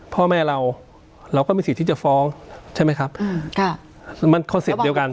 พ่อแม่เราเราก็มีสิทธิ์ที่จะฟ้องใช่ไหมครับอ่าค่ะมันคอนเซ็ปต์เดียวกัน